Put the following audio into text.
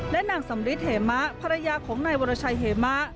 และนางสำริทเหมะภรรยาของนายวรชัยเหมะ